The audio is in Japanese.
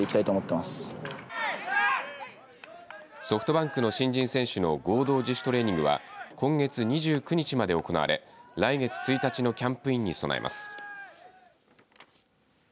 ソフトバンクの新人選手の合同自主トレーニングは今月２９日まで行われ来月１日のキャンプインに備えます。